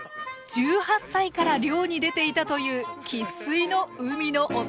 １８歳から漁に出ていたという生っ粋の海の男です。